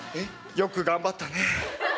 よく頑張ったね。